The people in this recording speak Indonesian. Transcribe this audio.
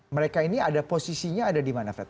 mereka ini ada posisinya ada di mana fred